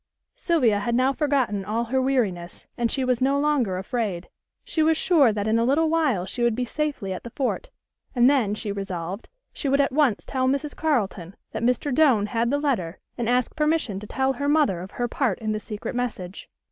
Sylvia had now forgotten all her weariness, and she was no longer afraid. She was sure that in a little while she would be safely at the fort, and then, she resolved, she would at once tell Mrs. Carleton that Mr. Doane had the letter and ask permission to tell her mother of her part in the secret message.